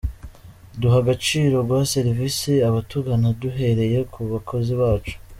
Duha agaciro guha serivisi abatugana duhereye ku bakozi bacu.